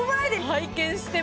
拝見しても。